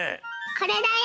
これだよ。